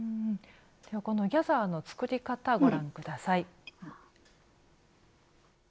ではこのギャザーの作り方ご覧ください。